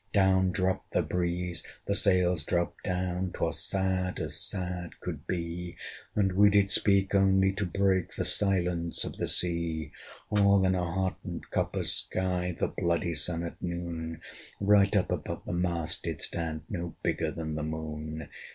Down dropt the breeze, the sails dropt down, 'Twas sad as sad could be; And we did speak only to break The silence of the sea! All in a hot and copper sky, The bloody Sun, at noon, Right up above the mast did stand, No bigger than the Moon.